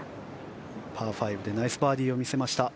パー５でナイスバーディーを見せた比嘉。